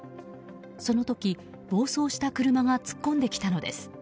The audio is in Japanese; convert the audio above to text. その時、暴走した車が突っ込んできたのです。